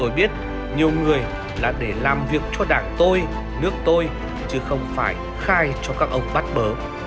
tôi biết nhiều người là để làm việc cho đảng tôi nước tôi chứ không phải khai cho các ông bắt bớ